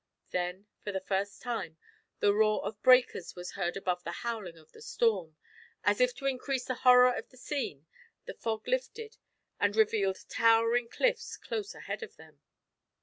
Then, for the first time, the roar of breakers was heard above the howling of the storm. As if to increase the horror of the scene, the fog lifted and revealed towering cliffs close ahead of them.